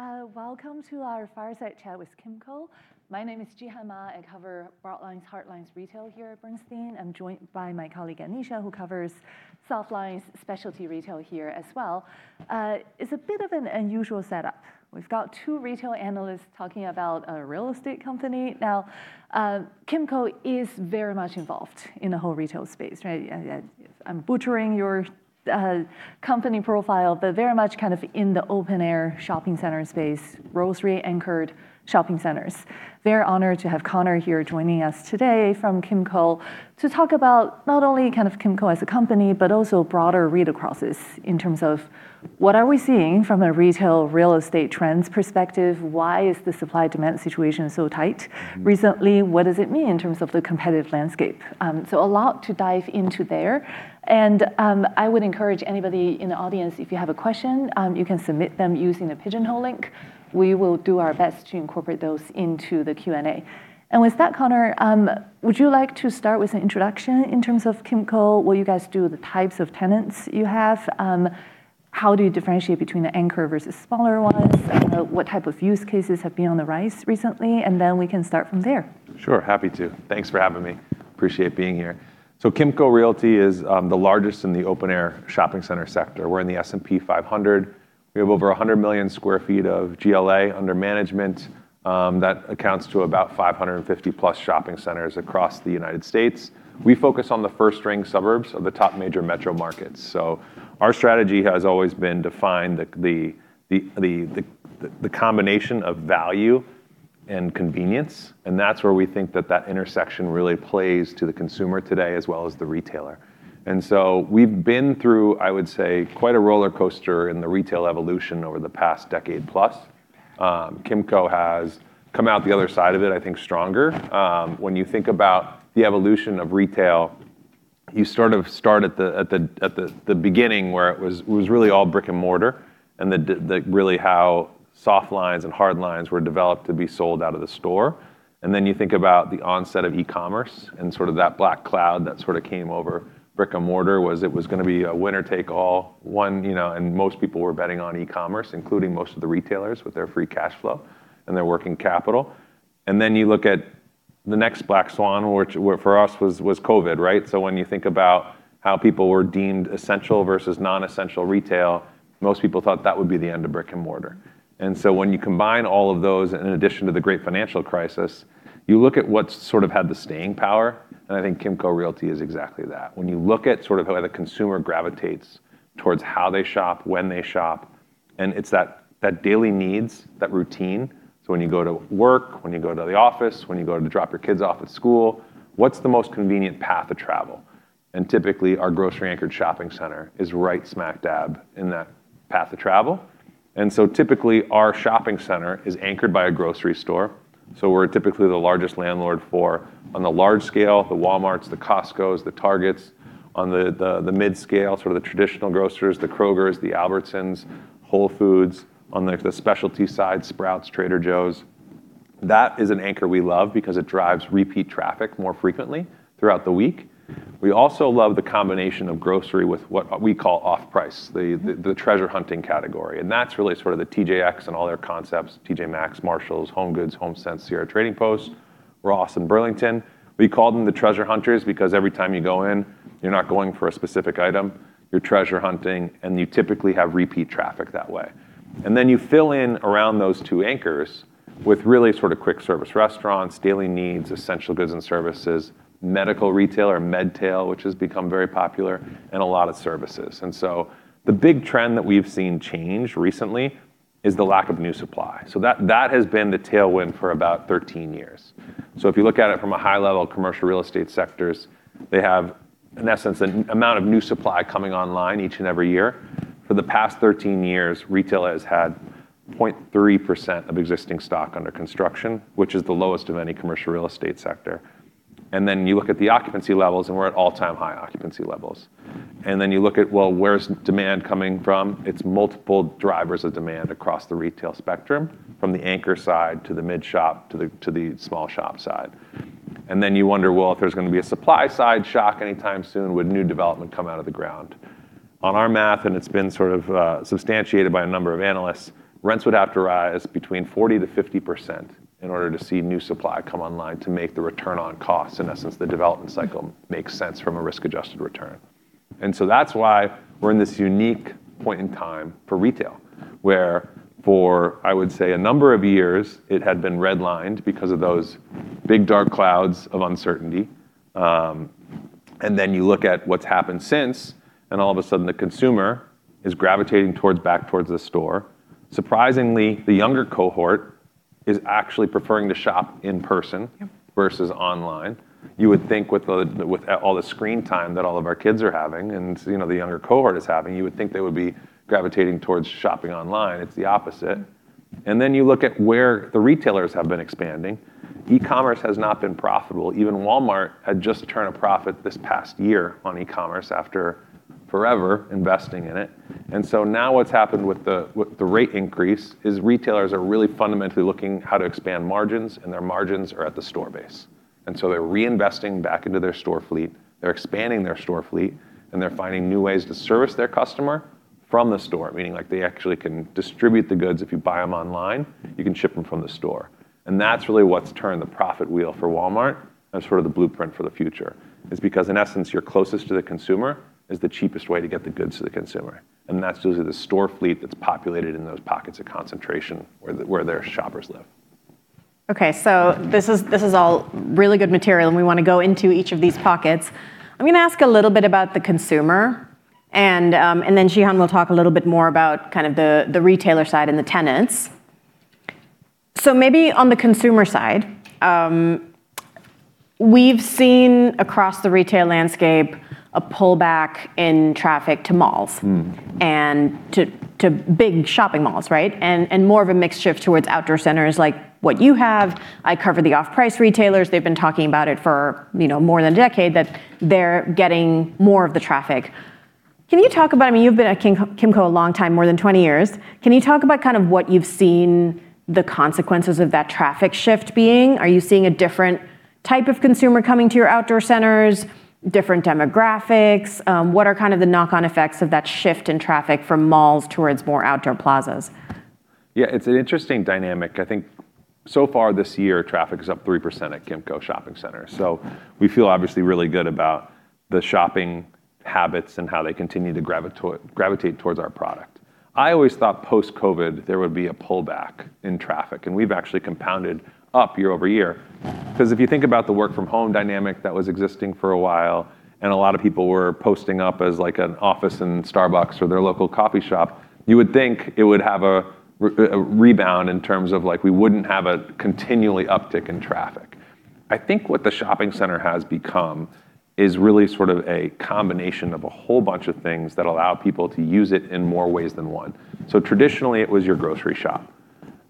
Hey. Welcome to our Fireside Chat with Kimco. My name is Zhihan Ma; I cover broadline/hardline retail here at Bernstein. I'm joined by my colleague Aneesha, who covers softlines specialty retail here as well. It's a bit of an unusual setup. We've got two retail analysts talking about a real estate company. Kimco is very much involved in the whole retail space. I'm butchering your company profile, but very much in the open-air shopping center space, grocery-anchored shopping centers. Very honored to have Conor here joining us today from Kimco to talk about not only Kimco as a company, but also broader read-acrosses in terms of what we are seeing from a retail real estate trends perspective, why the supply-demand situation is so tight recently, and what it means in terms of the competitive landscape. A lot to dive into there. I would encourage anybody in the audience, if you have a question, to submit it using the Pigeonhole link. We will do our best to incorporate those into the Q&A. With that, Conor, would you like to start with an introduction in terms of Kimco, what you guys do, and the types of tenants you have? How do you differentiate between the anchor and smaller ones? What type of use cases have been on the rise recently? We can start from there. Sure, happy to. Thanks for having me. Appreciate being here. Kimco Realty is the largest in the open-air shopping center sector. We're in the S&P 500. We have over 100 million square feet of GLA under management. That accounts for about 550+ shopping centers across the United States. We focus on the first-ring suburbs of the top major metro markets. Our strategy has always been to find the combination of value and convenience, and that's where we think that that intersection really plays to the consumer today as well as the retailer. We've been through, I would say, quite a roller coaster in the retail evolution over the past decade-plus. Kimco has come out the other side of it, I think, stronger. When you think about the evolution of retail, you sort of start at the beginning, where it was really all brick-and-mortar, and really how softlines and hardlines were developed to be sold out of the store. You think about the onset of e-commerce and sort of that black cloud that sort of came over brick-and-mortar; was it going to be a winner-take-all one? Most people were betting on e-commerce, including most of the retailers with their free cash flow and their working capital. You look at the next black swan, which for us was COVID, right? When you think about how people were deemed essential versus non-essential retail, most people thought that would be the end of brick-and-mortar. When you combine all of those, in addition to the great financial crisis, you look at what's sort of had the staying power, and I think Kimco Realty is exactly that. When you look at how the consumer gravitates towards how they shop, when they shop, and it's that daily need, that routine. When you go to work, when you go to the office, when you go to drop your kids off at school, what's the most convenient path of travel? Typically, our grocery-anchored shopping center is right smack dab in that path of travel. Typically, our shopping center is anchored by a grocery store. We're typically the largest landlord for, on a large scale, the Walmarts, the Costcos, and the Targets. On the mid scale, sort of the traditional grocers, Kroger, Albertsons, and Whole Foods. On the specialty side, Sprouts and Trader Joe's. That is an anchor we love because it drives repeat traffic more frequently throughout the week. We also love the combination of grocery with what we call off-price, the treasure hunting category. That's really sort of the TJX and all their concepts: TJ Maxx, Marshalls, HomeGoods, Homesense, Sierra Trading Post, Ross, and Burlington. We call them the treasure hunters because every time you go in, you're not going for a specific item, you're treasure hunting, and you typically have repeat traffic that way. Then you fill in around those two anchors with really sort of quick service restaurants, daily needs, essential goods and services, medical retail or med-tail, which has become very popular, and a lot of services. The big trend that we've seen change recently is the lack of new supply. That has been the tailwind for about 13 years. If you look at it from a high level, commercial real estate sectors have, in essence, an amount of new supply coming online each and every year. For the past 13 years, retail has had 0.3% of existing stock under construction, which is the lowest of any commercial real estate sector. Then you look at the occupancy levels, and we're at all-time high occupancy levels. Then you look at, well, where's demand coming from? It's multiple drivers of demand across the retail spectrum, from the anchor side to the mid-shop to the small shop side. Then you wonder, well, if there's going to be a supply-side shock anytime soon, would new development come out of the ground? On our math, it's been sort of substantiated by a number of analysts, rents would have to rise between 40%-50% in order to see new supply come online to make the return on cost; in essence, the development cycle makes sense from a risk-adjusted return. That's why we're in this unique point in time for retail, where, I would say, for a number of years, it had been redlined because of those big, dark clouds of uncertainty. You look at what's happened since; all of a sudden, the consumer is gravitating back towards the store. Surprisingly, the younger cohort is actually preferring to shop in person versus online. You would think with all the screen time that all of our kids are having and the younger cohort is having, you would think they would be gravitating towards shopping online. It's the opposite. You look at where the retailers have been expanding. E-commerce has not been profitable. Even Walmart had just a turn of profit this past year on e-commerce after forever investing in it. Now what's happened with the rate increase is retailers are really fundamentally looking at how to expand margins, and their margins are at the store base. They're reinvesting back into their store fleet, they're expanding their store fleet, and they're finding new ways to service their customer from the store, meaning they actually can distribute the goods. If you buy them online, you can ship them from the store. That's really what's turned the profit wheel for Walmart, as sort of the blueprint for the future is because, in essence, you're closest to the consumer; it's the cheapest way to get the goods to the consumer. That's usually the store fleet that's populated in those pockets of concentration where their shoppers live. Okay, this is all really good material, and we want to go into each of these pockets. I am going to ask a little bit about the consumer. Zhihan Ma will talk a little bit more about the retailer side and the tenants. Maybe on the consumer side, we have seen across the retail landscape a pullback in traffic to malls. To big shopping malls, right? More of a mix shift towards outdoor centers like what you have. I cover the off-price retailers. They've been talking about it for more than a decade that they're getting more of the traffic. I mean, you've been at Kimco a long time, more than 20 years. Can you talk about what you've seen the consequences of that traffic shift being? Are you seeing a different type of consumer coming to your outdoor centers? Different demographics? What are the knock-on effects of that shift in traffic from malls towards more outdoor plazas? Yeah, it's an interesting dynamic. I think so far this year, traffic is up 3% at Kimco Shopping Center. We feel obviously really good about the shopping habits and how they continue to gravitate towards our product. I always thought post-COVID, there would be a pullback in traffic, and we've actually compounded up year-over-year, because if you think about the work-from-home dynamic that was existing for a while, and a lot of people were posting up as an office in Starbucks or their local coffee shop, you would think it would have a rebound in terms of we wouldn't have a continually uptick in traffic. I think what the shopping center has become is really sort of a combination of a whole bunch of things that allow people to use it in more ways than one. Traditionally it was your grocery shop;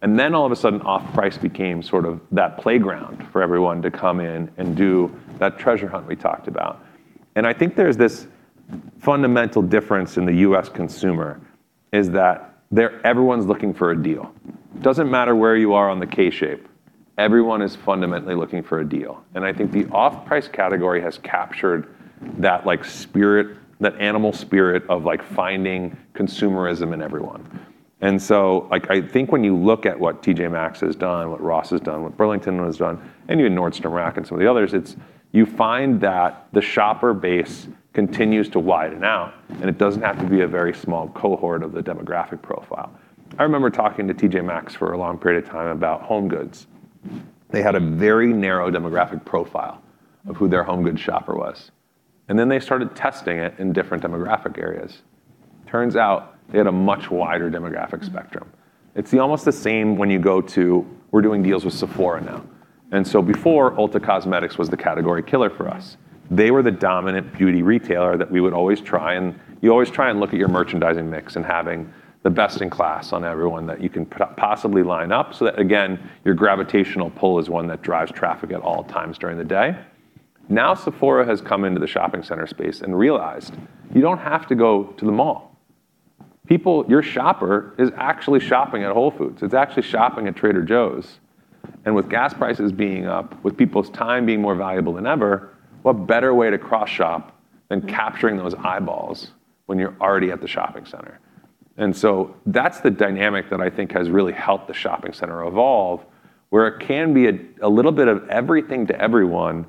all of a sudden off-price became sort of that playground for everyone to come in and do that treasure hunt we talked about. I think there's this fundamental difference in the U.S. consumer: everyone's looking for a deal. Doesn't matter where you are on the K-shaped, everyone is fundamentally looking for a deal. I think the off-price category has captured that animal spirit of finding consumerism in everyone. I think when you look at what TJ Maxx has done, what Ross has done, what Burlington has done, and even Nordstrom Rack and some of the others, you find that the shopper base continues to widen out, and it doesn't have to be a very small cohort of the demographic profile. I remember talking to TJ Maxx for a long period of time about HomeGoods. They had a very narrow demographic profile of who their HomeGoods shopper was, and then they started testing it in different demographic areas. Turns out they had a much wider demographic spectrum. It's almost the same when you go to, we're doing deals with Sephora now. Before, Ulta Beauty was the category killer for us. They were the dominant beauty retailer that we would always try. You always try to look at your merchandising mix and have the best in class on everyone that you can possibly line up so that, again, your gravitational pull is one that drives traffic at all times during the day. Now Sephora has come into the shopping center space and realized you don't have to go to the mall. Your shopper is actually shopping at Whole Foods. It's actually shopping at Trader Joe's. With gas prices being up, with people's time being more valuable than ever, what better way to cross-shop than capturing those eyeballs when you're already at the shopping center? That's the dynamic that I think has really helped the shopping center evolve, where it can be a little bit of everything to everyone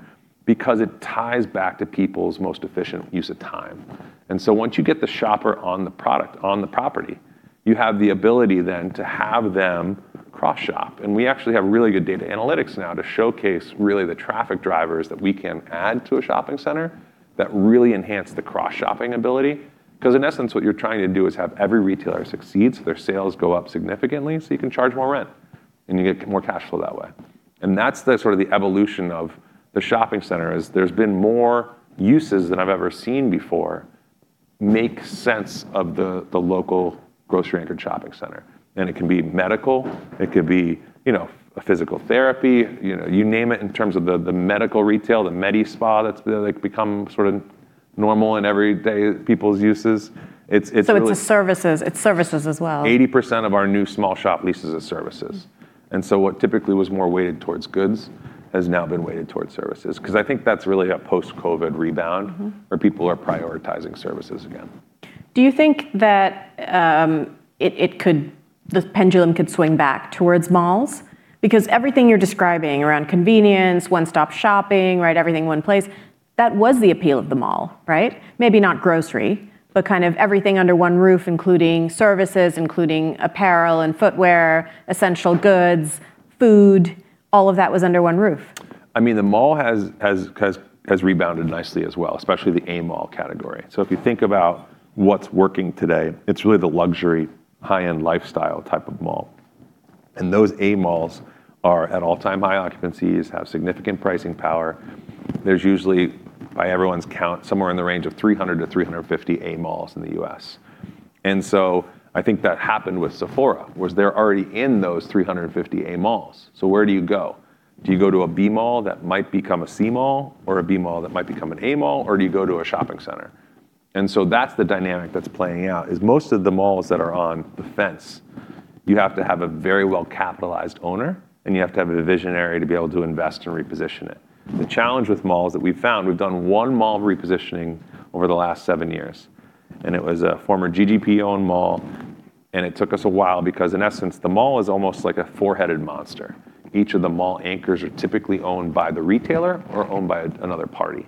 because it ties back to people's most efficient use of time. Once you get the shopper on the property, you have the ability then to have them cross-shop. We actually have really good data analytics now to showcase the traffic drivers that we can add to a shopping center that really enhance the cross-shopping ability. In essence, what you're trying to do is have every retailer succeed, so their sales go up significantly, so you can charge more rent, and you get more cash flow that way. That's the evolution of the shopping center; there have been more uses than I've ever seen before that make sense of the local grocery-anchored shopping center. It can be medical; it could be physical therapy; you name it, in terms of the med-tail, the medi-spa that's become sort of normal in everyday people's uses. It's services as well. 80% of our new small shop leases are services. What typically was more weighted towards goods has now been weighted towards services. I think that's really a post-COVID rebound where people are prioritizing services again. Do you think that the pendulum could swing back towards malls? Everything you're describing around convenience, one-stop shopping, everything in one place—that was the appeal of the mall, right? Maybe not grocery, but kind of everything under one roof, including services, including apparel and footwear, essential goods, food—all of that was under one roof. I mean, the mall has rebounded nicely as well, especially the A mall category. If you think about what's working today, it's really the luxury, high-end lifestyle type of mall. Those A malls are at all-time high occupancies and have significant pricing power. There's usually, by everyone's count, somewhere in the range of 300 to 350 malls in the U.S. I think what happened with Sephora was they're already in those 350 A malls. Where do you go? Do you go to a B mall that might become a C mall, or a B mall that might become an A mall, or do you go to a shopping center? That's the dynamic that's playing out: most of the malls that are on the fence, you have to have a very well-capitalized owner, and you have to have a visionary to be able to invest and reposition it. The challenge with malls that we've found is that we've done one mall repositioning over the last seven years, and it was a former GGP-owned mall, and it took us a while because, in essence, the mall is almost like a four-headed monster. Each of the mall anchors is typically owned by the retailer or owned by another party.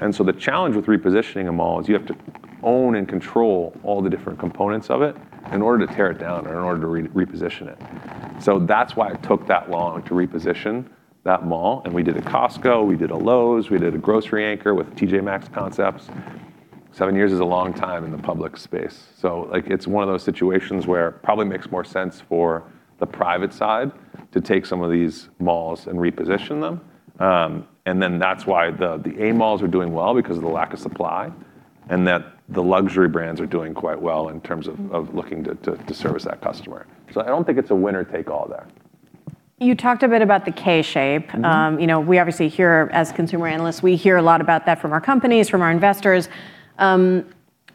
The challenge with repositioning a mall is you have to own and control all the different components of it in order to tear it down or in order to reposition it. That's why it took that long to reposition that mall, and we did a Costco, we did a Lowe's, and we did a grocery anchor with TJ Maxx concepts. Seven years is a long time in the public space. It's one of those situations where it probably makes more sense for the private side to take some of these malls and reposition them. That's why the A malls are doing well because of the lack of supply and that the luxury brands are doing quite well in terms of looking to service that customer. I don't think it's a winner-take-all there. You talked a bit about the K-shaped. We obviously here as consumer analysts, we hear a lot about that from our companies, from our investors.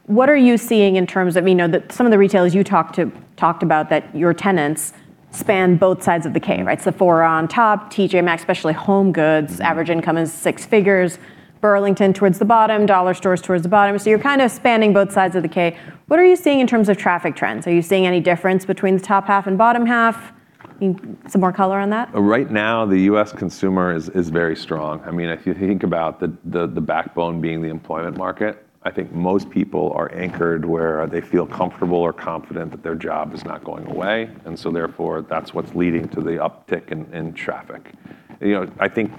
What are you seeing in terms of it? We know that some of the retailers you talked about, that your tenants span both sides of the K, right? Sephora on top, TJ Maxx, especially HomeGoods. Average income is six figures. Burlington towards the bottom, dollar stores towards the bottom. You're kind of spanning both sides of the K. What are you seeing in terms of traffic trends? Are you seeing any difference between the top half and bottom half? Some more color on that? Right now the U.S. consumer is very strong. If you think about the backbone being the employment market, I think most people are anchored where they feel comfortable or confident that their job is not going away, and so therefore that's what's leading to the uptick in traffic. I think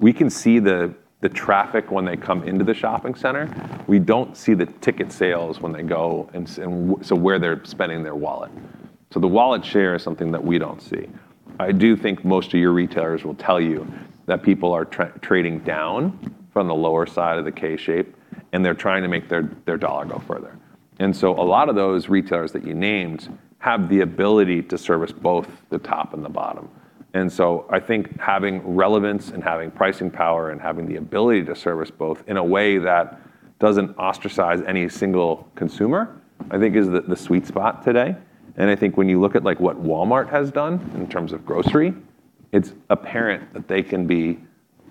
we can see the traffic when they come into the shopping center. We don't see the ticket sales when they go, and so where they're spending their wallet. The wallet share is something that we don't see. I do think most of your retailers will tell you that people are trading down from the lower side of the K-shaped, and they're trying to make their dollar go further. A lot of those retailers that you named have the ability to service both the top and the bottom. I think having relevance, having pricing power, and having the ability to service both in a way that doesn't ostracize any single consumer, I think is the sweet spot today. I think when you look at what Walmart has done in terms of grocery, it's apparent that they can be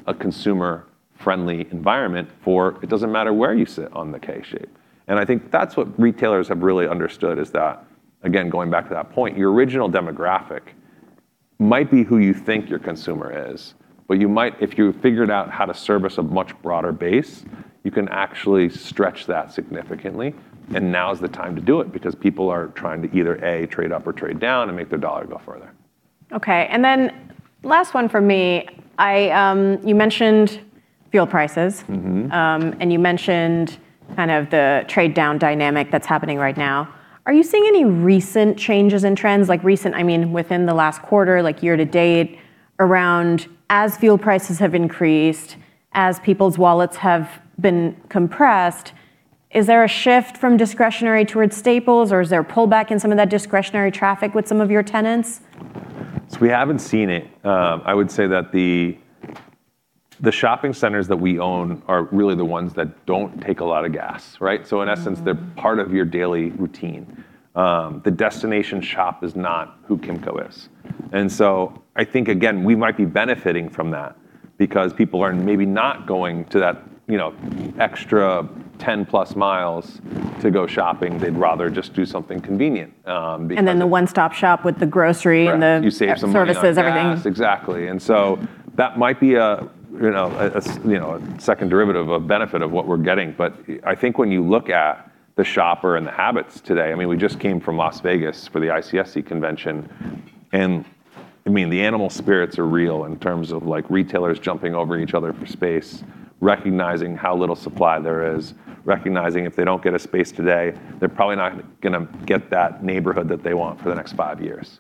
a consumer-friendly environment for it doesn't matter where you sit on the K-shaped. I think that's what retailers have really understood is that, again, going back to that point, your original demographic might be who you think your consumer is. If you figured out how to service a much broader base, you could actually stretch that significantly, and now's the time to do it because people are trying to either, A, trade up or trade down and make their dollar go further. Okay, last one from me. You mentioned fuel prices. You mentioned kind of the trade-down dynamic that's happening right now. Are you seeing any recent changes in trends, like recent ones, I mean, within the last quarter, like year-to-date, as fuel prices have increased, as people's wallets have been compressed, is there a shift from discretionary towards staples, or is there a pullback in some of that discretionary traffic with some of your tenants? We haven't seen it. I would say that the shopping centers that we own are really the ones that don't take a lot of gas, right? They're part of your daily routine. The destination shop is not who Kimco is. I think again, we might be benefiting from that because people are maybe not going to that extra 10+ miles to go shopping. They'd rather just do something convenient because. The one-stop shop with the grocery and. Right. You save some money on gas services, everything. Exactly. That might be a second derivative of benefit of what we're getting. I think when you look at the shopper and the habits today, we just came from Las Vegas for the ICSC convention. The animal spirits are real in terms of retailers jumping over each other for space, recognizing how little supply there is, recognizing if they don't get a space today, they're probably not going to get that neighborhood that they want for the next five years.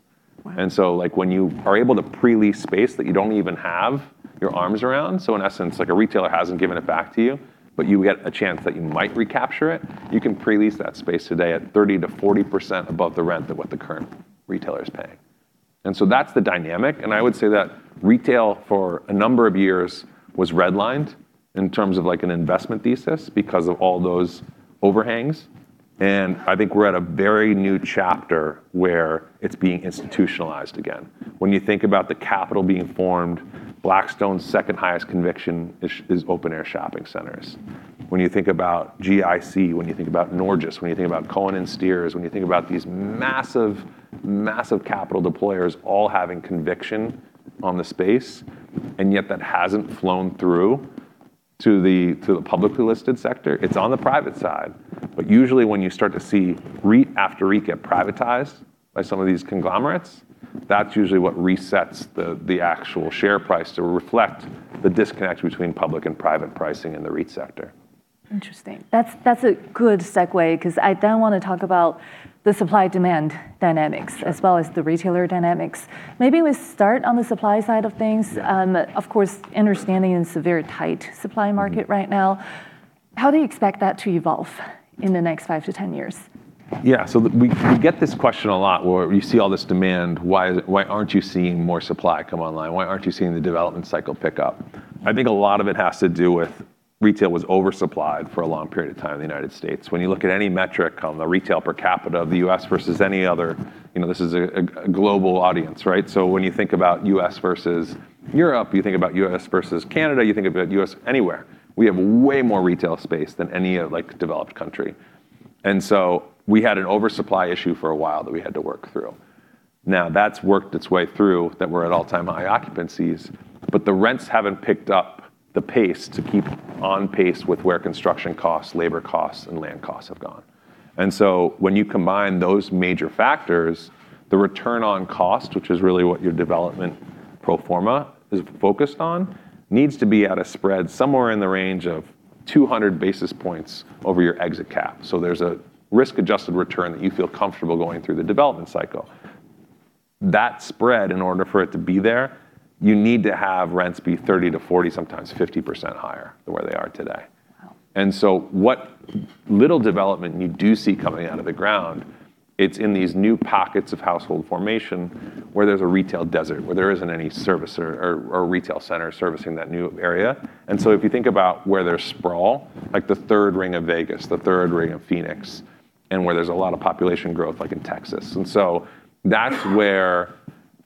Wow. When you are able to pre-lease space that you don't even have your arms around, so in essence, a retailer hasn't given it back to you, but you get a chance that you might recapture it, you can pre-lease that space today at 30%-40% above the rent of what the current retailer's paying. That's the dynamic. I would say that retail for a number of years was redlined in terms of an investment thesis because of all those overhangs. I think we're at a very new chapter where it's being institutionalized again. When you think about the capital being formed, Blackstone's second highest conviction is open-air shopping centers. When you think about GIC, when you think about Norges, when you think about Cohen & Steers, when you think about these massive capital deployers all having conviction in the space, yet that hasn't flown through to the publicly listed sector. It's on the private side. Usually when you start to see REIT after REIT get privatized by some of these conglomerates, that's usually what resets the actual share price to reflect the disconnect between public and private pricing in the REIT sector. Interesting. That's a good segue because I then want to talk about the supply-demand dynamics. Sure as well as the retailer dynamics. Maybe we start on the supply side of things. Of course, understanding it's a very tight supply market right now. How do you expect that to evolve in the next five to 10 years? Yeah. We get this question a lot: Where you see all this demand, why aren't you seeing more supply come online? Why aren't you seeing the development cycle pick up? I think a lot of it has to do with retail being oversupplied for a long period of time in the U.S. When you look at any metric on the retail per capita of the U.S. versus any other, this is a global audience, right? When you think about U.S. versus Europe, you think about U.S. versus Canada; you think about the U.S. anywhere; we have way more retail space than any developed country. We had an oversupply issue for a while that we had to work through. That's worked its way through that we're at all-time high occupancies, but the rents haven't picked up the pace to keep on pace with where construction costs, labor costs, and land costs have gone. When you combine those major factors, the return on cost, which is really what your development pro forma is focused on, needs to be at a spread somewhere in the range of 200 basis points over your exit cap. There's a risk-adjusted return that you feel comfortable going through the development cycle. That spread, in order for it to be there, you need to have rents be 30%-40%, sometimes 50% higher than where they are today. Wow. What little development you do see coming out of the ground is in these new pockets of household formation where there's a retail desert, where there isn't any service or retail center servicing that new area. If you think about where there's sprawl, like the third ring of Vegas, the third ring of Phoenix, and where there's a lot of population growth, like in Texas. That's where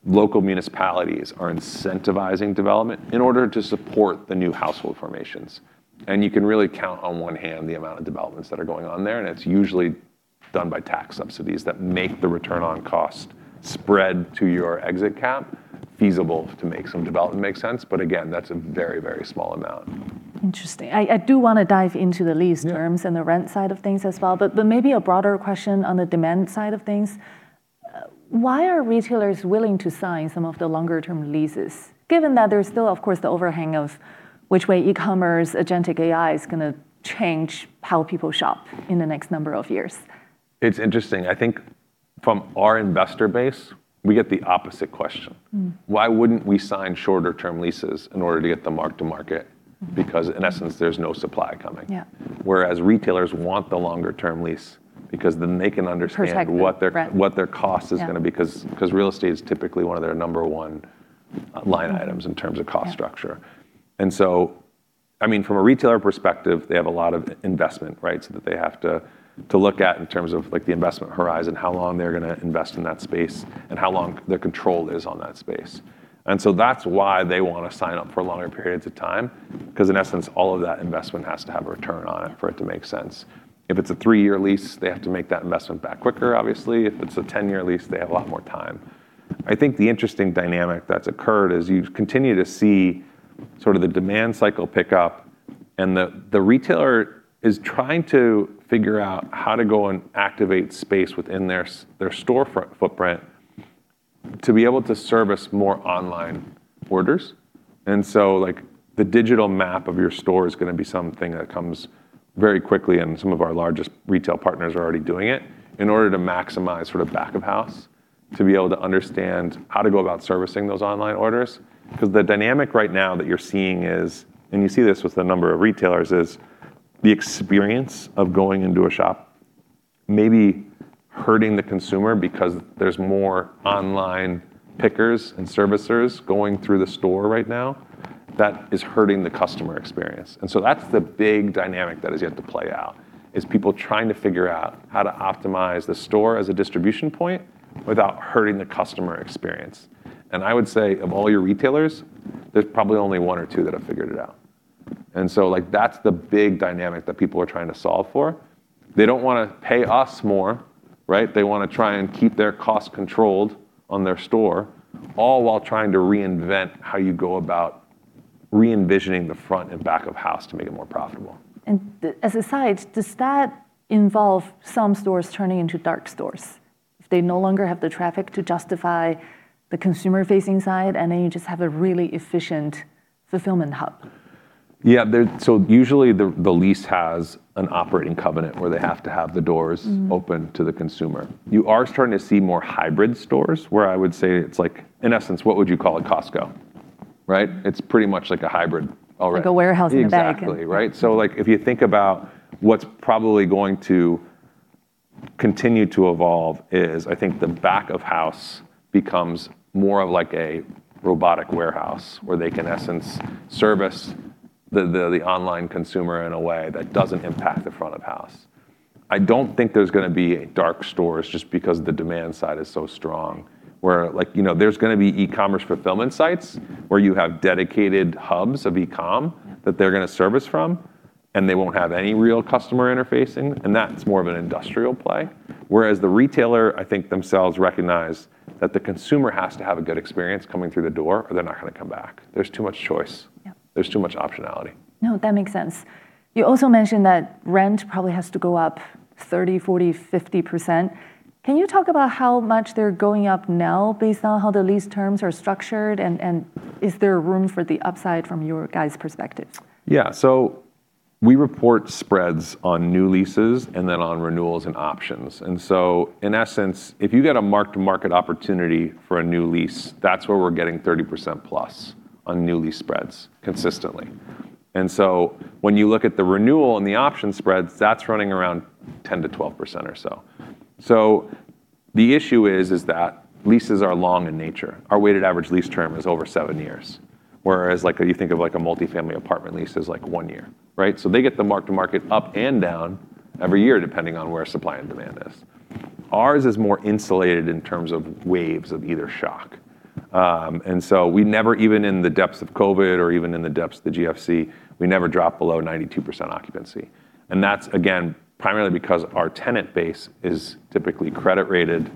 local municipalities are incentivizing development in order to support the new household formations. You can really count on one hand the number of developments that are going on there, and it's usually done by tax subsidies that make the return on cost spread to your exit cap feasible to make some development make sense. Again, that's a very, very small amount. Interesting. I do want to dive into the lease terms. Yeah and the rent side of things as well. Maybe a broader question on the demand side of things: why are retailers willing to sign some of the longer-term leases, given that there's still, of course, the overhang of which way e-commerce agentic AI is going to change how people shop in the next number of years? It's interesting. I think from our investor base, we get the opposite question. Why wouldn't we sign shorter-term leases in order to get the mark-to-market? In essence, there's no supply coming. Yeah. Whereas retailers want the longer-term lease because then they can understand. Perfectly. Right what their cost- Yeah is going to be, because real estate is typically one of their number one line items. In terms of cost structure. Yeah. From a retailer perspective, they have a lot of investment, right? They have to look at in terms of the investment horizon, how long they're going to invest in that space, and how long their control is on that space. That's why they want to sign up for longer periods of time, because in essence, all of that investment has to have a return on it for it to make sense. If it's a three-year lease, they have to make that investment back quicker, obviously. If it's a 10-year lease, they have a lot more time. I think the interesting dynamic that's occurred is you continue to see the demand cycle pick up, and the retailer is trying to figure out how to go and activate space within their storefront footprint to be able to service more online orders. The digital map of your store is going to be something that comes very quickly, and some of our largest retail partners are already doing it in order to maximize back-of-house and to be able to understand how to go about servicing those online orders. The dynamic right now that you're seeing is, and you see this with a number of retailers, is the experience of going into a shop may be hurting the consumer because there are more online pickers and servicers going through the store right now. That is hurting the customer experience. That's the big dynamic that is yet to play out: people trying to figure out how to optimize the store as a distribution point without hurting the customer experience. I would say of all your retailers, there's probably only one or two that have figured it out. That's the big dynamic that people are trying to solve for. They don't want to pay us more. Right? They want to try and keep their costs controlled on their store, all while trying to reinvent how you go about re-envisioning the front and back of house to make it more profitable. As an aside, does that involve some stores turning into dark stores? If they no longer have the traffic to justify the consumer-facing side, and then you just have a really efficient fulfillment hub. Yeah. Usually the lease has an operating covenant where they have to have the doors open to the consumer. You are starting to see more hybrid stores where I would say it's like, in essence, what would you call a Costco? Right? It's pretty much like a hybrid already. Like a warehouse in the back. Exactly. Right. If you think about what's probably going to continue to evolve, I think the back of house becomes more of a robotic warehouse where they can, in essence, service the online consumer in a way that doesn't impact the front of house. I don't think there's going to be dark stores just because the demand side is so strong; where there's going to be e-commerce fulfillment sites where you have dedicated hubs of e-com that they're going to service from, and they won't have any real customer interfacing, and that's more of an industrial play. Whereas the retailer, I think, recognizes that the consumer has to have a good experience coming through the door, or they're not going to come back. There's too much choice. Yeah. There's too much optionality. No, that makes sense. You also mentioned that rent probably has to go up 30%, 40%, or 50%. Can you talk about how much they're going up now based on how the lease terms are structured, and is there room for the upside from your guys' perspective? Yeah. We report spreads on new leases and then on renewals and options. In essence, if you get a mark-to-market opportunity for a new lease, that's where we're getting 30%+ on new lease spreads consistently. When you look at the renewal and the option spreads, that's running around 10%-12% or so. The issue is that leases are long in nature. Our weighted average lease term is over seven years, whereas you think of a multifamily apartment lease as one year. Right? They get the mark-to-market up and down every year, depending on where supply and demand are. Ours is more insulated in terms of waves of either shock. We never, even in the depths of COVID or even in the depths of the GFC, drop below 92% occupancy. That's again, primarily because our tenant base is typically credit-rated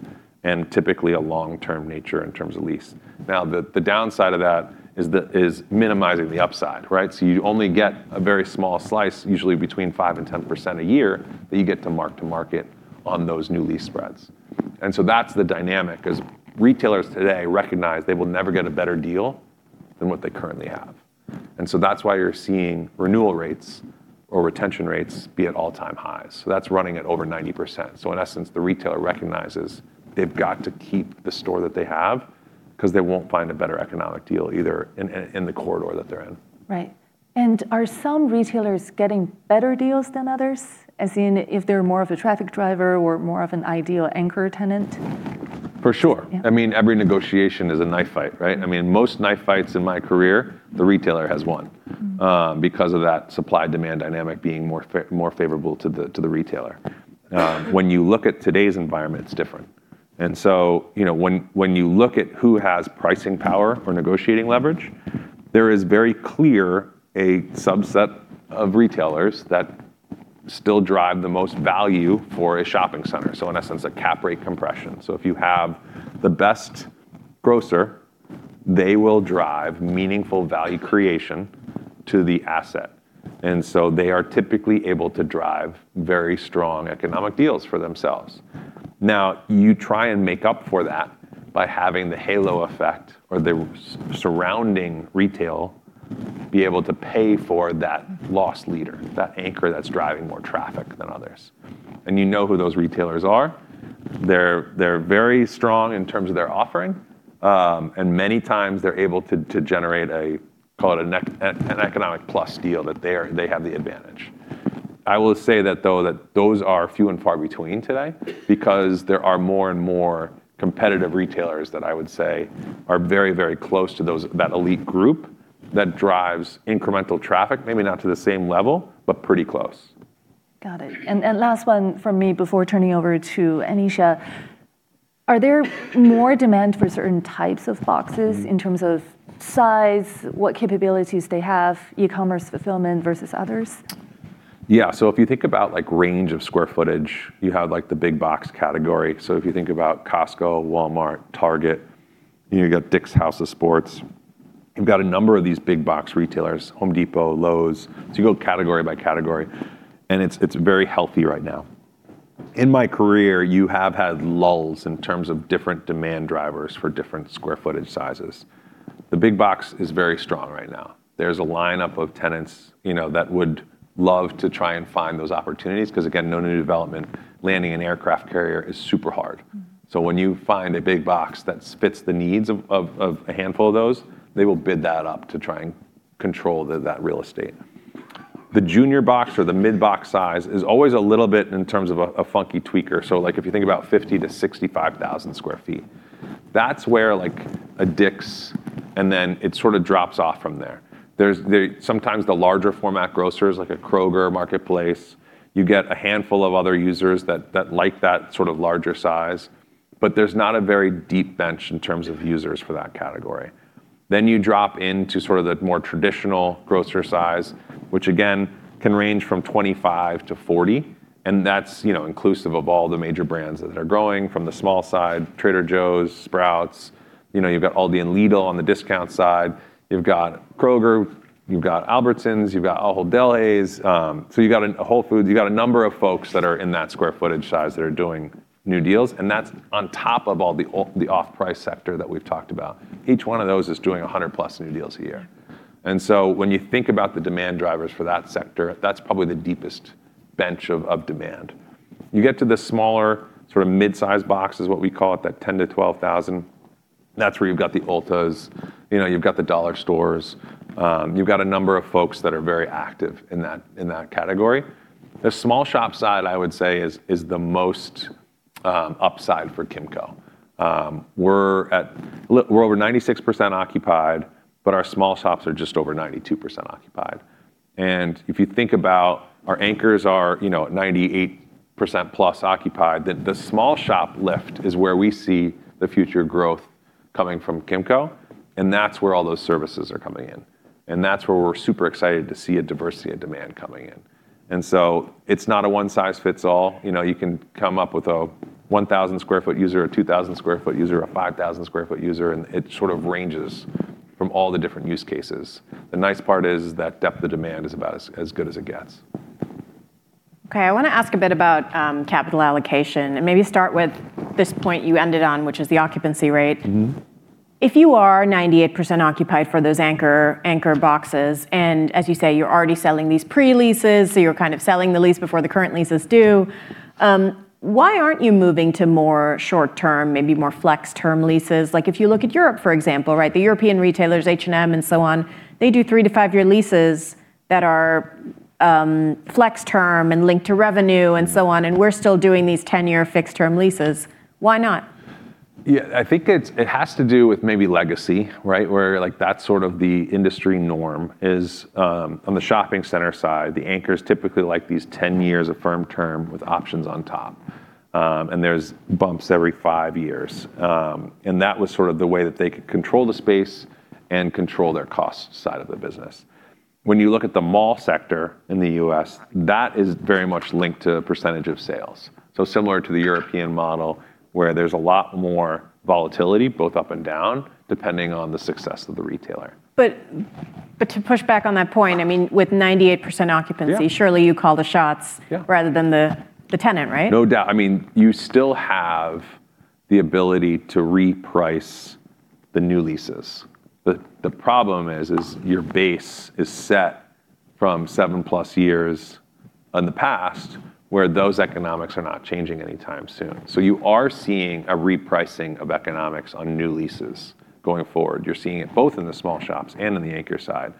and typically a long-term nature in terms of lease. The downside of that is minimizing the upside. Right? You only get a very small slice, usually between 5% and 10% a year, that you get to mark-to-market on those new lease spreads. That's the dynamic, because retailers today recognize they will never get a better deal than what they currently have. That's why you're seeing renewal rates or retention rates be at all-time highs. That's running at over 90%. In essence, the retailer recognizes they've got to keep the store that they have because they won't find a better economic deal either in the corridor that they're in. Right. Are some retailers getting better deals than others, as in if they're more of a traffic driver or more of an ideal anchor tenant? For sure. Yeah. Every negotiation is a knife fight, right? Most knife fights in my career, the retailer has won, because of that supply-demand dynamic being more favorable to the retailer. When you look at today's environment, it's different. When you look at who has pricing power or negotiating leverage, there is very clearly a subset of retailers that still drive the most value for a shopping center. In essence, a cap rate compression. If you have the best grocer, they will drive meaningful value creation to the asset. They are typically able to drive very strong economic deals for themselves. Now, you try and make up for that by having the halo effect or the surrounding retail be able to pay for that loss leader, that anchor that's driving more traffic than the others. You know who those retailers are. They're very strong in terms of their offering. Many times, they're able to generate a—call it an economic plus deal—that they have the advantage. I will say, though, that those are few and far between today, because there are more and more competitive retailers that I would say are very close to that elite group that drives incremental traffic, maybe not to the same level, but pretty close. Got it. Last one from me before turning over to Aneesha. Is there more demand for certain types of boxes in terms of size and what capabilities they have, e-commerce fulfillment versus others? Yeah. If you think about range of square footage, you have the big box category. If you think about Costco, Walmart, and Target, you get Dick's House of Sport. You've got a number of these big box retailers, The Home Depot and Lowe's. You go category by category, and it's very healthy right now. In my career, you have had lulls in terms of different demand drivers for different square footage sizes. The big box is very strong right now. There's a lineup of tenants that would love to try and find those opportunities because, again, no new development, landing an aircraft carrier is super hard. When you find a big box that fits the needs of a handful of those, they will bid that up to try and control that real estate. The junior box or the mid box size is always a little bit in terms of a funky tweaker. If you think about 50,000 to 65,000 sq ft, that's where a Dick's, and then it sort of drops off from there. There's sometimes the larger format grocers, like a Kroger Marketplace. You get a handful of other users that like that sort of larger size, but there's not a very deep bench in terms of users for that category. You drop into sort of the more traditional grocer size, which again, can range from 25,000 -40,000, and that's inclusive of all the major brands that are growing from the small side, Trader Joe's, Sprouts, and you've got Aldi and Lidl on the discount side. You've got Kroger, you've got Albertsons, you've got Whole Foods, so you've got Whole Foods, and you've got a number of folks that are in that square footage size that are doing new deals. That's on top of all the off-price sectors that we've talked about. Each one of those is doing 100+ new deals a year. When you think about the demand drivers for that sector, that's probably the deepest bench of demand. You get to the smaller, sort of mid-size box, is what we call it, that 10,000-12,000. That's where you've got the Ultas; you've got the dollar stores. You've got a number of folks that are very active in that category. The small shop side, I would say, is the most upside for Kimco. We're over 96% occupied, but our small shops are just over 92% occupied. If you think about it, our anchors are at 98%+ occupied. The small shop lift is where we see the future growth coming from Kimco. That's where all those services are coming in. That's where we're super excited to see a diversity of demand coming in. It's not a one-size-fits-all. You can come up with a 1,000 sq ft user, a 2,000 sq ft user, or a 5,000 sq ft user; it sort of ranges from all the different use cases. The nice part is that depth of demand is about as good as it gets. Okay, I want to ask a bit about capital allocation and maybe start with this point you ended on, which is the occupancy rate. If you are 98% occupied for those anchor boxes, and as you say, you're already selling these pre-leases, so you're kind of selling the lease before the current lease is due, why aren't you moving to more short-term, maybe more flex-term, leases? If you look at Europe, for example, the European retailers, H&M and so on, do three-five year leases that are flex-term and link to revenue and so on; we're still doing these 10-year fixed-term leases. Why not? Yeah. I think it has to do with maybe legacy, right? That's sort of the industry norm: on the shopping center side, the anchors typically like these 10 years of firm term with options on top. There are bumps every five years. That was sort of the way that they could control the space and control their cost side of the business. When you look at the mall sector in the U.S., that is very much linked to the percentage of sales. Similar to the European model, where there's a lot more volatility, both up and down, depending on the success of the retailer. To push back on that point, with 98% occupancy. Yeah Surely you call the shots. Yeah rather than the tenant, right? No doubt. You still have the ability to reprice the new leases. The problem is your base is set from 7+ years in the past, where those economics are not changing anytime soon. You are seeing a repricing of economics on new leases going forward. You're seeing it both in the small shops and in the anchor side.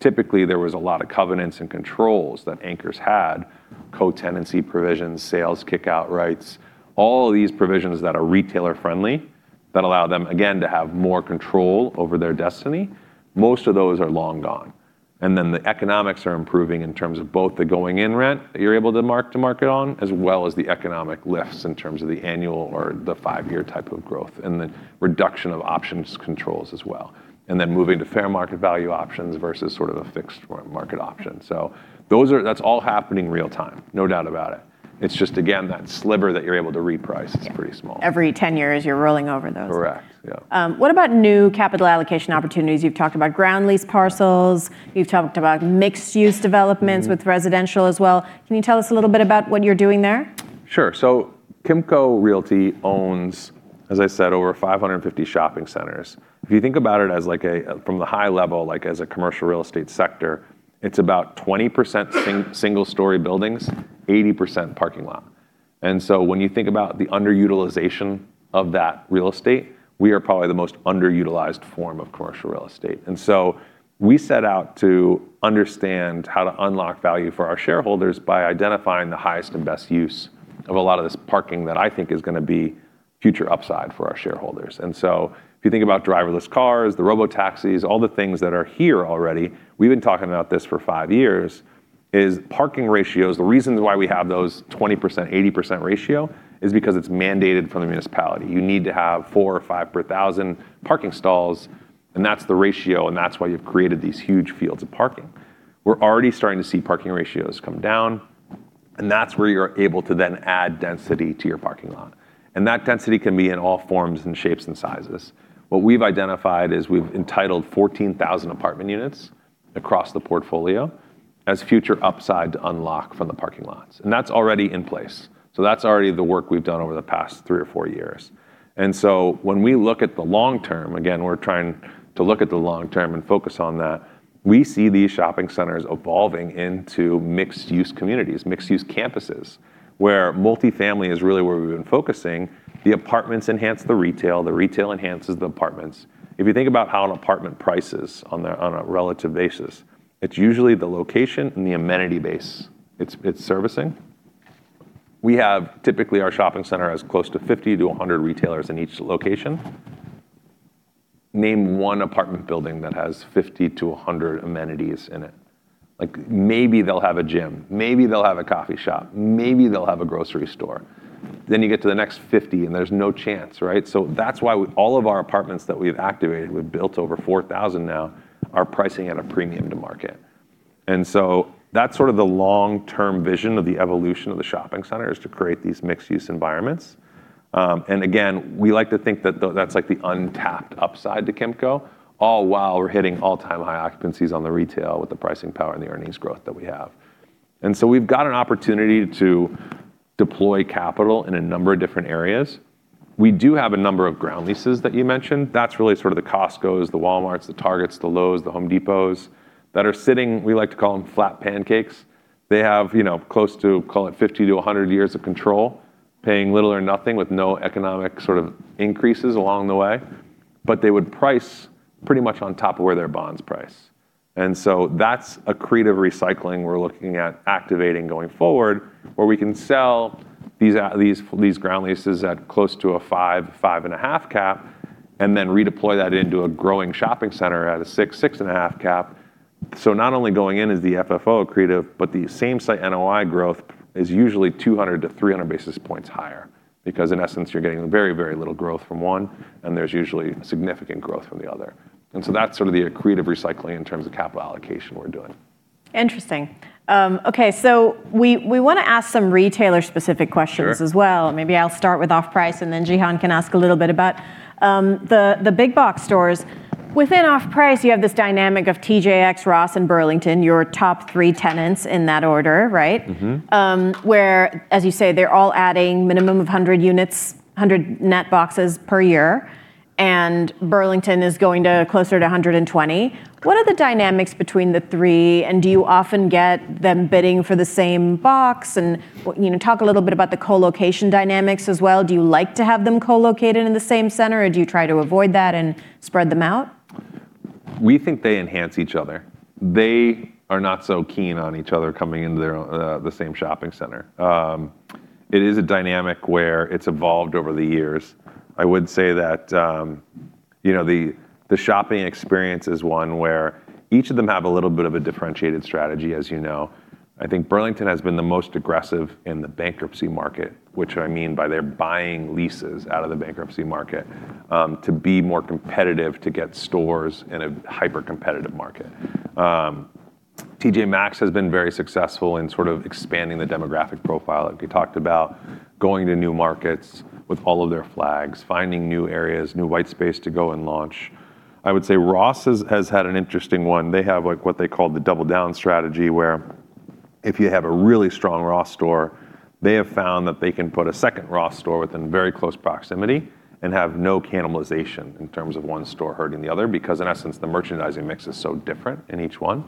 Typically, there was a lot of covenants and controls that anchors had, co-tenancy provisions, sales kick-out rights, and all of these provisions that are retailer-friendly and that allow them, again, to have more control over their destiny. Most of those are long gone. The economics are improving in terms of both the going-in rent that you're able to mark-to-market on, as well as the economic lifts in terms of the annual or the five-year type of growth and the reduction of options controls as well. Moving to fair market value options versus sort of a fixed market option. That's all happening real time, no doubt about it. It's just, again, that sliver that you're able to reprice is pretty small. Every 10 years, you're rolling over those. Correct. Yeah. What about new capital allocation opportunities? You've talked about ground lease parcels. You've talked about mixed-use developments with residential as well. Can you tell us a little bit about what you're doing there? Sure. Kimco Realty owns, as I said, over 550 shopping centers. If you think about it from the high level, like as a commercial real estate sector, it's about 20% single-story buildings, 80% parking lot. When you think about the underutilization of that real estate, we are probably the most underutilized form of commercial real estate. We set out to understand how to unlock value for our shareholders by identifying the highest and best use of a lot of this parking that I think is going to be a future upside for our shareholders. If you think about driverless cars, the robotaxis, and all the things that are here already, we've been talking about this for five years: parking ratios. The reason why we have that 20%/80% ratio is because it's mandated from the municipality. You need to have four or five per 1,000 parking stalls; that's the ratio; that's why you've created these huge fields of parking. We're already starting to see parking ratios come down; that's where you're able to then add density to your parking lot. That density can be in all forms and shapes and sizes. What we've identified is we've entitled 14,000 apartment units across the portfolio as future upside to unlock from the parking lots. That's already in place. That's already the work we've done over the past three or four years. When we look at the long term, again, we're trying to look at the long term and focus on that; we see these shopping centers evolving into mixed-use communities, mixed-use campuses, where multi-family is really where we've been focusing. The apartments enhance the retail. The retail enhances the apartments. If you think about how an apartment price is on a relative basis, it's usually the location and the amenity base it's servicing. We typically have close to 50-100 retailers in each location. Name one apartment building that has 50-100 amenities in it. Maybe they'll have a gym, maybe they'll have a coffee shop, maybe they'll have a grocery store. You get to the next 50, and there's no chance, right? That's why all of our apartments that we've activated, and we've built over 4,000 now, are priced at a premium to market. That's sort of the long-term vision of the evolution of the shopping center: to create these mixed-use environments. Again, we like to think that that's like the untapped upside to Kimco, all while we're hitting all-time high occupancies on the retail with the pricing power and the earnings growth that we have. We've got an opportunity to deploy capital in a number of different areas. We do have a number of ground leases that you mentioned. That's really sort of the Costcos, the Walmarts, the Targets, the Lowe's, the Home Depots that are sitting; we like to call them flat pancakes. They have close to, call it, 50-100 years of control, paying little or nothing with no economic sort of increases along the way. They would price pretty much on top of where their bonds price. That's accretive recycling we're looking at activating going forward, where we can sell these ground leases at close to a 5-5.5 cap and then redeploy that into a growing shopping center at a 6-6.5 cap. Not only is it going in as the FFO accretive, but the same site NOI growth is usually 200-300 basis points higher, because in essence, you're getting very, very little growth from one, and there's usually significant growth from the other. That's sort of the accretive recycling in terms of capital allocation we're doing. Interesting. Okay, we want to ask some retailer-specific questions. Sure as well. Maybe I'll start with off-price, then Zhihan Ma can ask a little bit about the big box stores. Within off-price, you have this dynamic of TJX, Ross, and Burlington, your top three tenants in that order, right? Where, as you say, they're all adding a minimum of 100 units, 100 net boxes per year, and Burlington is going to closer to 120. What are the dynamics between the three, and do you often get them bidding for the same box? Talk a little bit about the co-location dynamics as well. Do you like to have them co-located in the same center, or do you try to avoid that and spread them out? We think they enhance each other. They are not so keen on each other coming into the same shopping center. It is a dynamic where it's evolved over the years. I would say that the shopping experience is one where each of them has a little bit of a differentiated strategy, as you know. I think Burlington has been the most aggressive in the bankruptcy market. Which I mean by their buying leases out of the bankruptcy market, to be more competitive, to get stores in a hyper-competitive market. TJ Maxx has been very successful in sort of expanding the demographic profile. Like we talked about, going to new markets with all of their flags, finding new areas, and new white space to go and launch. I would say Ross has had an interesting one. They have what they call the double-down strategy, where if you have a really strong Ross store, they have found that they can put a second Ross store within very close proximity and have no cannibalization in terms of one store hurting the other, because in essence, the merchandising mix is so different in each one.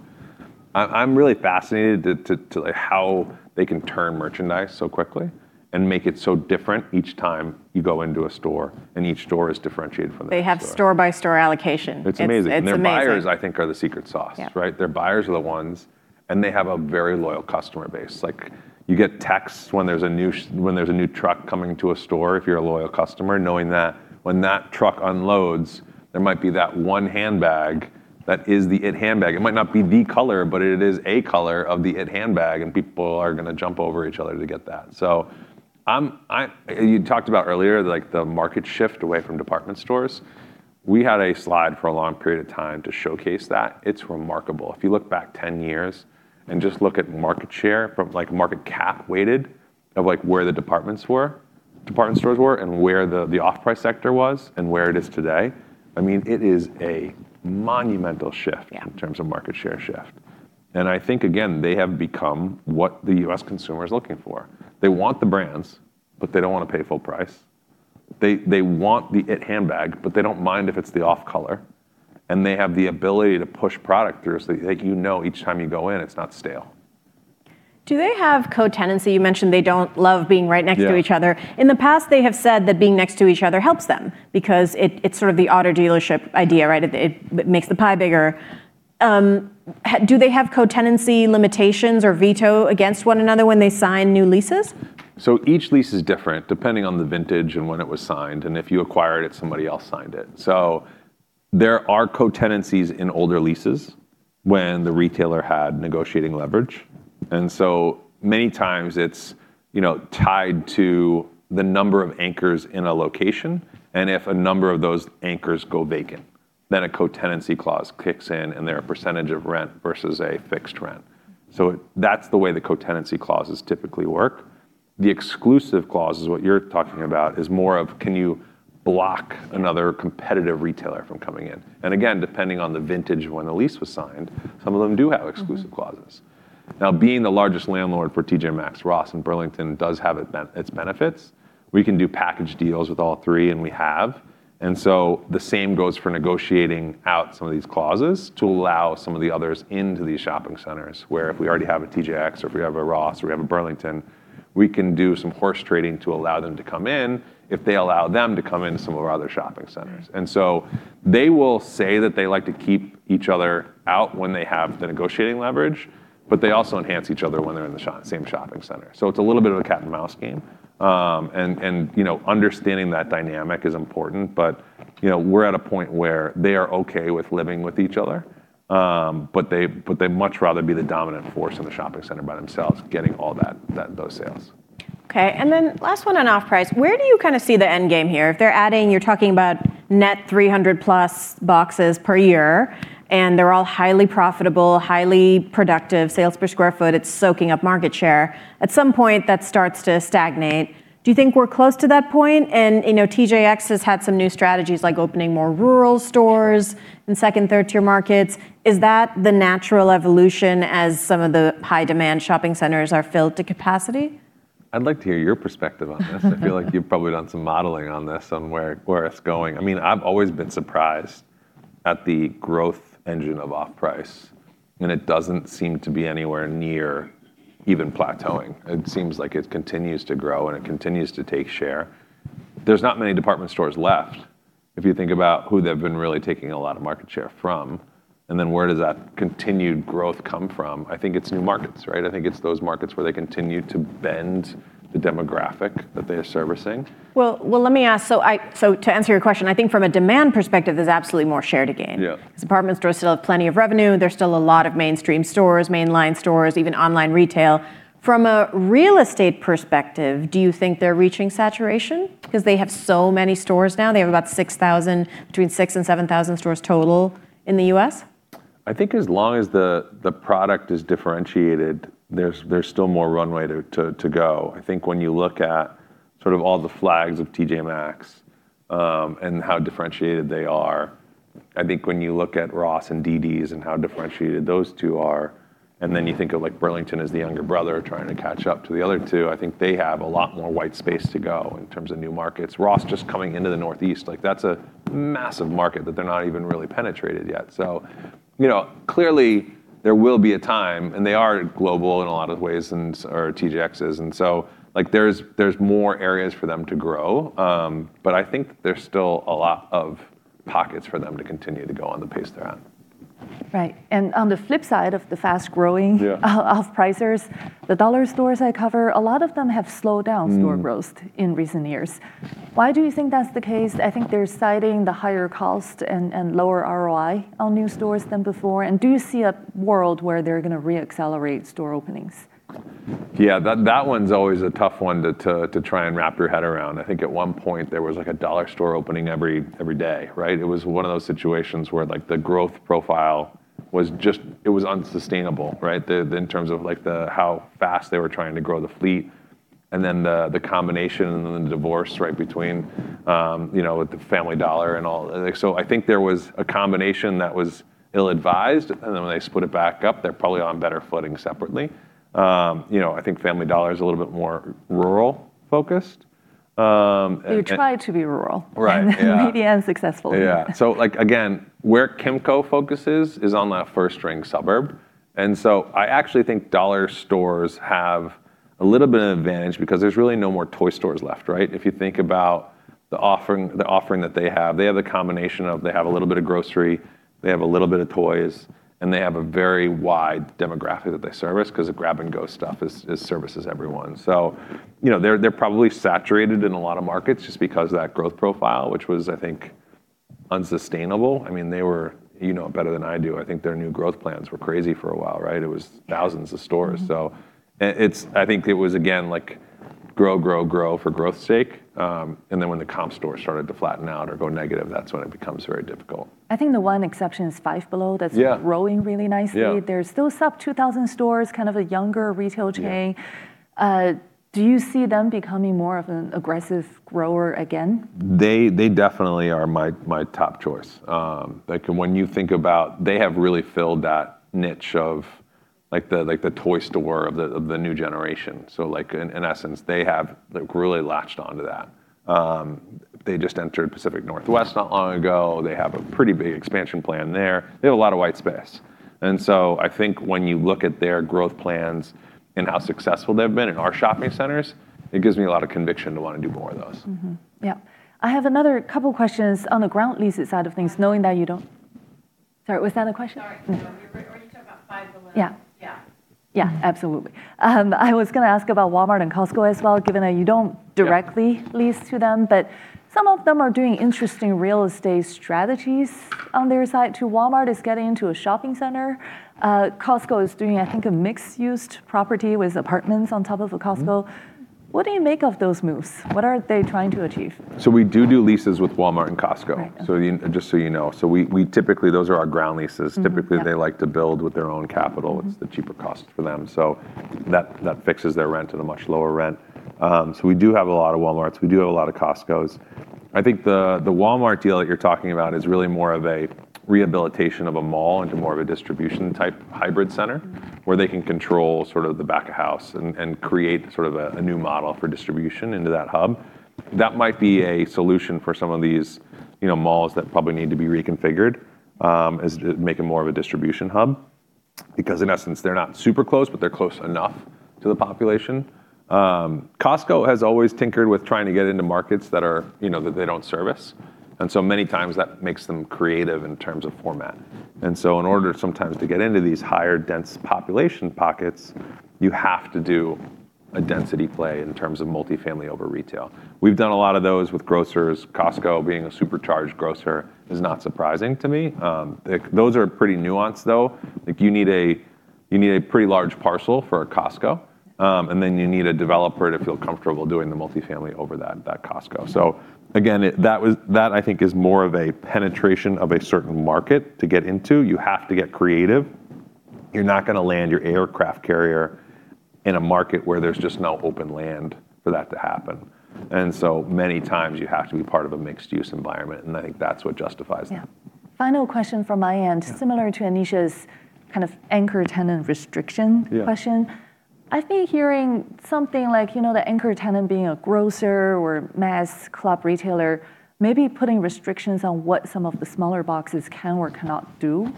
I'm really fascinated by how they can turn merchandise so quickly and make it so different each time you go into a store, and each store is differentiated from the other store. They have store-by-store allocation. It's amazing. It's amazing. Their buyers, I think, are the secret sauce. Yeah. Their buyers are the ones, and they have a very loyal customer base. Like, you get texts when there's a new truck coming to a store, if you're a loyal customer, knowing that when that truck unloads, there might be that one handbag that is the it handbag. It might not be the color, but it is a color of the it handbag, and people are going to jump over each other to get that. You talked about earlier the market shift away from department stores. We had a slide for a long period of time to showcase that. It's remarkable. If you look back 10 years and just look at market share from market cap weighted of where the department stores were, and where the off-price sector was, and where it is today. It is a monumental shift. Yeah in terms of market share shift. I think, again, they have become what the U.S. consumer is looking for. They want the brands, but they don't want to pay full price. They want the it handbag, but they don't mind if it's the off color. They have the ability to push product through, so you know each time you go in, it's not stale. Do they have co-tenancy? You mentioned they don't love being right next to each other. Yeah. In the past, they have said that being next to each other helps them because it's sort of the auto dealership idea, right? It makes the pie bigger. Do they have co-tenancy limitations or vetoes against one another when they sign new leases? Each lease is different depending on the vintage and when it was signed, and if you acquired it, somebody else signed it. There are co-tenancies in older leases when the retailer had negotiating leverage. Many times it's tied to the number of anchors in a location. If a number of those anchors go vacant, then a co-tenancy clause kicks in, and they're a percentage of rent versus a fixed rent. That's the way the co-tenancy clauses typically work. The exclusive clause is what you're talking about; it's more about whether you can block another competitive retailer from coming in. Again, depending on the vintage of when the lease was signed, some of them do have exclusive clauses. Being the largest landlord for TJ Maxx, Ross, and Burlington does have its benefits. We can do package deals with all three we have. The same goes for negotiating out some of these clauses to allow some of the others into these shopping centers, where if we already have a TJX or if we have a Ross or we have a Burlington, we can do some horse trading to allow them to come in if they allow them to come into some of our other shopping centers. They will say that they like to keep each other out when they have the negotiating leverage, but they also enhance each other when they're in the same shopping center. It's a little bit of a cat-and-mouse game. Understanding that dynamic is important. We're at a point where they are okay with living with each other. They'd much rather be the dominant force in the shopping center by themselves, getting all those sales. Okay, last one on off-price. Where do you kind of see the end game here? If they're adding, you're talking about a net of 300+ boxes per year, and they're all highly profitable and highly productive. Sales per square foot, it's soaking up market share. At some point, that starts to stagnate. Do you think we're close to that point? TJX has had some new strategies, like opening more rural stores in second- and third-tier markets. Is that the natural evolution as some of the high-demand shopping centers are filled to capacity? I'd like to hear your perspective on this. I feel like you've probably done some modeling on this, on where it's going. I've always been surprised at the growth engine of off-price, and it doesn't seem to be anywhere near even plateauing. It seems like it continues to grow, and it continues to take share. There aren't many department stores left, if you think about who they've been really taking a lot of market share from, and then where does that continued growth come from? I think it's new markets, right? I think it's those markets where they continue to bend the demographic that they are servicing. Well, let me ask, to answer your question, I think from a demand perspective, there's absolutely more share to gain. Yeah. Department stores still have plenty of revenue. There's still a lot of mainstream stores, mainline stores, and even online retail. From a real estate perspective, do you think they're reaching saturation? They have so many stores now. They have about 6,000, between 6,000 and 7,000, stores total in the U.S. I think as long as the product is differentiated, there's still more runway to go. I think when you look at sort of all the flags of TJ Maxx and how differentiated they are, I think when you look at Ross and dd's and how differentiated those two are, and then you think of Burlington as the younger brother trying to catch up to the other two, I think they have a lot more white space to go in terms of new markets. Ross just coming into the Northeast, like, that's a massive market that they're not even really penetrating yet. Clearly there will be a time, and they are global in a lot of ways, or TJX is, and so there are more areas for them to grow. I think there's still a lot of pockets for them to continue to go at the pace they're on. Right. Yeah off-pricers, the dollar stores I cover, a lot of them have slowed down. growth in recent years. Why do you think that's the case? I think they're citing the higher cost and lower ROI on new stores than before. Do you see a world where they're going to re-accelerate store openings? Yeah, that one's always a tough one to try and wrap your head around. I think at one point there was a Dollar Store opening every day, right? It was one of those situations where the growth profile was just unsustainable, right? In terms of how fast they were trying to grow the fleet, and then the combination, and then the divorce between, with the Family Dollar and all. I think there was a combination that was ill-advised, and then when they split it back up, they're probably on better footing separately. I think Family Dollar is a little bit more rural-focused. They try to be rural. Right. Yeah. Maybe unsuccessfully. Yeah. Again, where Kimco focuses is on that first-ring suburb. I actually think dollar stores have a little bit of an advantage because there are really no more toy stores left, right? If you think about the offering that they have, they have the combination of a little bit of groceries, they have a little bit of toys, and they have a very wide demographic that they service because the grab-and-go stuff services everyone. They're probably saturated in a lot of markets just because of that growth profile, which was, I think, unsustainable. They were, you know it better than I do. I think their new growth plans were crazy for a while, right? It was thousands of stores. I think it was, again, grow, grow for growth's sake, and then when the comp stores started to flatten out or go negative, that's when it became very difficult. I think the one exception is Five Below. Yeah growing really nicely. Yeah. There are still sub-2,000 stores, kind of a younger retail chain. Yeah. Do you see them becoming more of an aggressive grower again? They definitely are my top choice. When you think about it, they have really filled that niche of the toy store of the new generation. In essence, they have really latched onto that. They just entered the Pacific Northwest not long ago. They have a pretty big expansion plan there. They have a lot of white space. I think when you look at their growth plans and how successful they've been in our shopping centers, it gives me a lot of conviction to want to do more of those. Yep. I have another couple of questions on the ground leases side of things, knowing that you don't. Sorry, was that a question? Yeah. Yeah. Yeah, absolutely. I was going to ask about Walmart and Costco as well, given that you don't directly lease to them, but some of them are doing interesting real estate strategies on their side, too. Walmart is getting into a shopping center. Costco is doing, I think, a mixed-use property with apartments on top of a Costco. What do you make of those moves? What are they trying to achieve? We do leases with Walmart and Costco. Right, okay. Just so you know. Those are our ground leases.. Yeah. Typically, they like to build with their own capital. It's the cheaper cost for them. That fixes their rent at a much lower rent. We do have a lot of Walmarts. We do have a lot of Costcos. I think the Walmart deal that you're talking about is really more of a rehabilitation of a mall into more of a distribution-type hybrid center. where they can control sort of the back of house and create a new model for distribution into that hub. That might be a solution for some of these malls that probably need to be reconfigured: make it more of a distribution hub. In essence, they're not super close, but they're close enough to the population. Costco has always tinkered with trying to get into markets that they don't service. Many times, that makes them creative in terms of format. In order, sometimes, to get into these higher-density population pockets, you have to do a density play in terms of multifamily over retail. We've done a lot of those with grocers. Costco being a supercharged grocer is not surprising to me. Those are pretty nuanced, though. You need a pretty large parcel for a Costco, and then you need a developer to feel comfortable doing the multifamily over that Costco. Again, that I think is more of a penetration of a certain market to get into. You have to get creative. You're not going to land your aircraft carrier in a market where there's just no open land for that to happen. Many times, you have to be part of a mixed-use environment, and I think that's what justifies that. Yeah. Final question from my end. Yeah. Similar to Aneesha's kind of anchor tenant restriction question. Yeah. I've been hearing something like the anchor tenant being a grocer or mass club retailer, maybe putting restrictions on what some of the smaller boxes can or cannot do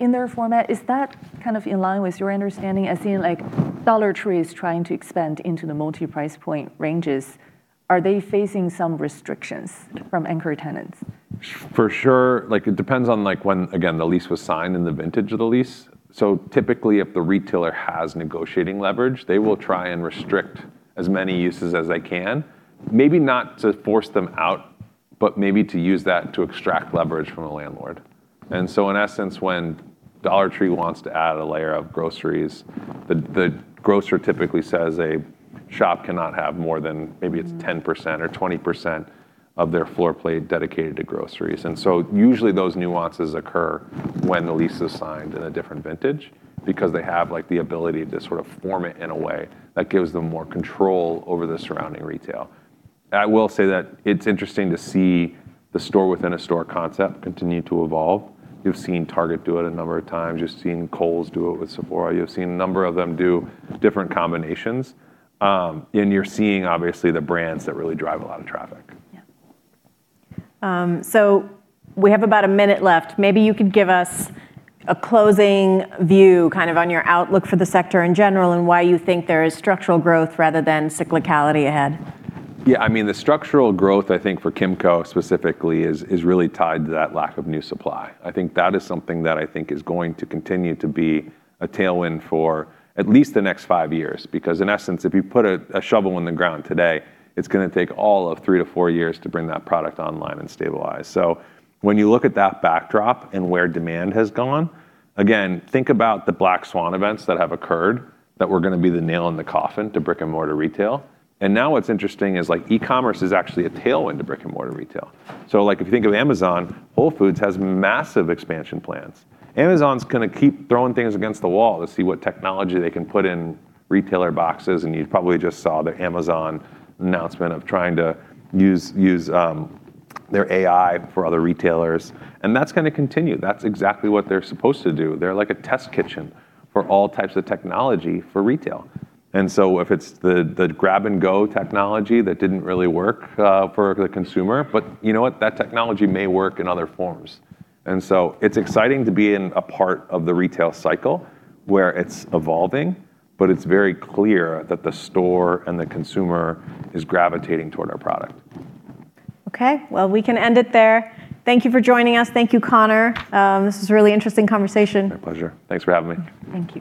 in their format. Is that kind of in line with your understanding? I've seen Dollar Tree is trying to expand into the multi-price point ranges. Are they facing some restrictions from anchor tenants? For sure. It depends on when, again, the lease was signed and the vintage of the lease. Typically, if the retailer has negotiating leverage, they will try and restrict as many uses as they can. Maybe not to force them out, but maybe to use that to extract leverage from the landlord. In essence, when Dollar Tree wants to add a layer of groceries, the grocer typically says a shop cannot have more than maybe its 10% or 20% of their floor plate dedicated to groceries. Usually those nuances occur when the lease is signed in a different vintage because they have the ability to sort of form it in a way that gives them more control over the surrounding retail. I will say that it's interesting to see the store-within-a-store concept continue to evolve. You've seen Target do it a number of times. You've seen Kohl's do it with Sephora. You've seen a number of them do different combinations. You're seeing, obviously, the brands that really drive a lot of traffic. Yeah. We have about a minute left. Maybe you could give us a closing view on your outlook for the sector in general and why you think there is structural growth rather than cyclicality ahead. Yeah, the structural growth I think for Kimco specifically is really tied to that lack of new supply. I think that is something that I think is going to continue to be a tailwind for at least the next five years. Because in essence, if you put a shovel in the ground today, it's going to take all of three to four years to bring that product online and stabilized. When you look at that backdrop and where demand has gone, again, think about the black swan events that have occurred that were going to be the nail in the coffin to brick-and-mortar retail. Now what's interesting is e-commerce is actually a tailwind to brick-and-mortar retail. If you think of Amazon, Whole Foods has massive expansion plans. Amazon's going to keep throwing things against the wall to see what technology they can put in retailer boxes. You probably just saw the Amazon announcement of trying to use their AI for other retailers. That's going to continue. That's exactly what they're supposed to do. They're like a test kitchen for all types of technology for retail. If it's the grab-and-go technology that didn't really work for the consumer, you know what? That technology may work in other forms. It's exciting to be in a part of the retail cycle where it's evolving, but it's very clear that the store and the consumer is gravitating toward our product. Okay. Well, we can end it there. Thank you for joining us. Thank you, Conor. This was a really interesting conversation. My pleasure. Thanks for having me. Thank you.